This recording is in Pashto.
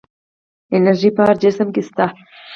انرژي په هر جسم کې شته.